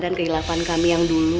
dan kehilapan kami yang dulu